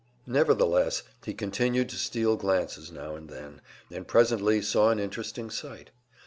Nevertheless, he continued to steal glances now and then, and presently saw an interesting sight.